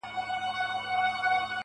هغه زما خبري پټي ساتي.